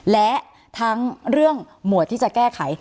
และทั้งเรื่องหมวดที่จะแก้ไข